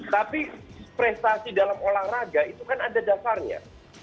tapi prestasi dalam olahraga itu kan ada dasarnya